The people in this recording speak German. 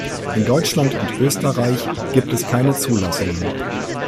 In Deutschland und Österreich gibt es keine Zulassungen.